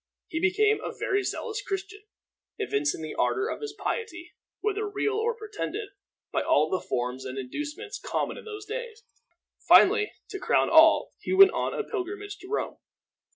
He became a very zealous Christian, evincing the ardor of his piety, whether real or pretended, by all the forms and indications common in those days. Finally, to crown all, he went on a pilgrimage to Rome.